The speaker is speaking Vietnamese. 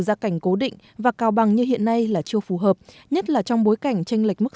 gia cảnh cố định và cao bằng như hiện nay là chưa phù hợp nhất là trong bối cảnh tranh lệch mức